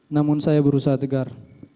namun saya berusaha tegar